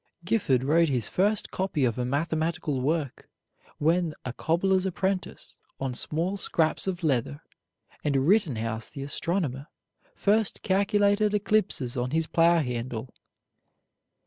Gifford wrote his first copy of a mathematical work, when a cobbler's apprentice, on small scraps of leather; and Rittenhouse, the astronomer, first calculated eclipses on his plow handle.